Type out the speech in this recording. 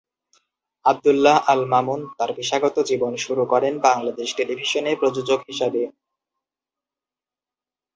আব্দুল্লাহ আল মামুন তার পেশাগত জীবন শুরু করেন বাংলাদেশ টেলিভিশনে প্রযোজক হিসেবে।